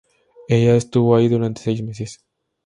Ella estuvo ahí durante seis meses.